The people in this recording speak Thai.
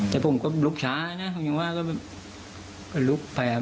แต่ผมก็ลุกช้าน่ะผมยังว่าก็ลุกพยายามลุกไปให้ไหวแล้วแหละ